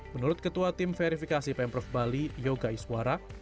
menurut ketua tim verifikasi pemprov bali yoga iswara